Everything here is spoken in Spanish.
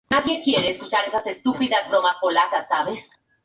Los mazos pueden contener un máximo de dos copias de una misma carta.